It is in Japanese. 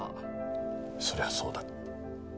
そりゃそうだ。